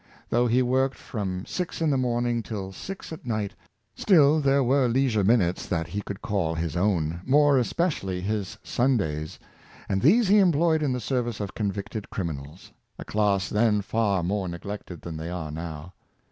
Though he worked from six in the morning till six at night, still there were leisure minutes that he could call his own — more espec ially his Sundays — and these he emplo3^ed in the service of convicted criminals ; a class then far more neglected than they are now.